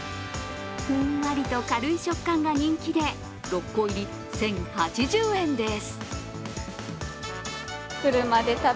ふんわりと軽い食感が人気で６個入り、１０８０円です。